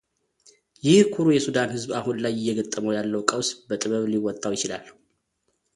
ይህ ኩሩ የሱዳን ህዝብ አሁን ላይ እየገጠመው ያለውን ቀውስ በጥበብ ሊወጣው ይችላል